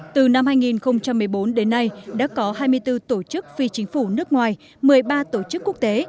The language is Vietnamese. từ năm hai nghìn một mươi bốn đến nay đã có hai mươi bốn tổ chức phi chính phủ nước ngoài một mươi ba tổ chức quốc tế